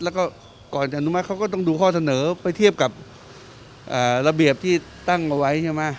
แล้วก็ก่อนจะอนุมัติเขาก็ต้องดูข้อเสนอไปเทียบกับระเบียบที่ตั้งเอาไว้ใช่ไหม